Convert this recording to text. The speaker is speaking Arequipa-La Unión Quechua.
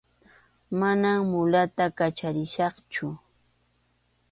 Manam mulayta kacharisaqchu.